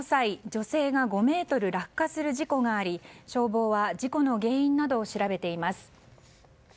女性が５ｍ落下する事故があり消防は事故の原因などを調べています。